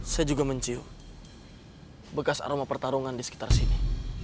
saya juga mencium bekas aroma pertarungan di sekitar sini